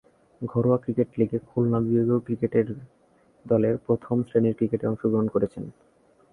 ঘরোয়া ক্রিকেট লীগে খুলনা বিভাগীয় ক্রিকেট দলের হয়ে প্রথম-শ্রেণীর ক্রিকেটে অংশগ্রহণ করছেন।